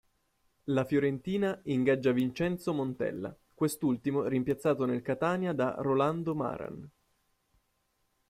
La Fiorentina ingaggia Vincenzo Montella, quest'ultimo rimpiazzato nel Catania da Rolando Maran.